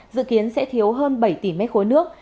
dự kiến sẽ thiếu hơn bảy tỷ mét khối nước